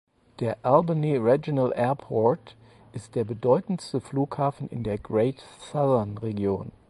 Der Albany Regional Airport ist der bedeutendste Flughafen in der Great Southern Region.